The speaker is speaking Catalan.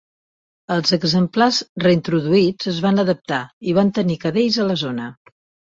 Els exemplars reintroduïts es van adaptar i van tenir cadells a la zona.